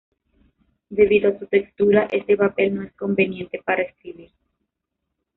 Debido a su textura, este papel no es conveniente para escribir.